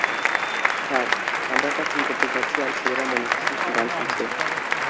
Sir, আমরা একটা খুন করতে যাচ্ছি আর ছেলেরা মনের সুখে গান শুনছে।